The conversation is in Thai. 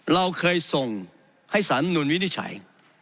เราเคยส่งให้สารมนุนวินิจฉัย